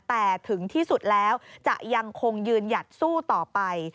แต่ถึงที่สุดแล้วจะยังคงยืนหยัดสู้ต่อไป